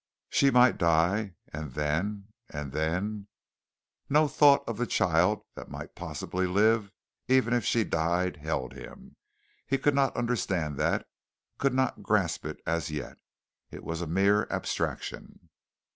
She might die, and then and then No thought of the child that might possibly live, even if she died, held him. He could not understand that, could not grasp it as yet. It was a mere abstraction.